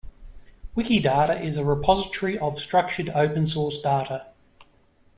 Wikidata is a repository of structured open source data.